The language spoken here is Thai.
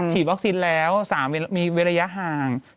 ฉีดวัคซีนแล้ว๓มีเว้นระยะห่าง